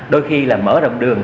đôi khi là mở rộng đường